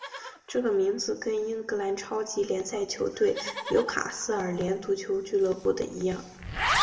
这个名字跟英格兰超级联赛球队纽卡斯尔联足球俱乐部的一样。